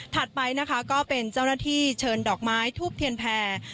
ไปนะคะก็เป็นเจ้าหน้าที่เชิญดอกไม้ทูบเทียนแพร่